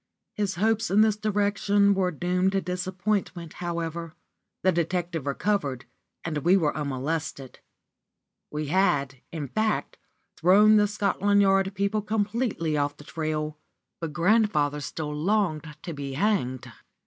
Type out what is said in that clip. His hopes in this direction were doomed to disappointment, however. The detective recovered, and we were unmolested. We had, in fact, thrown the Scotland Yard people completely off the trail. But grandpapa still longed to be hanged.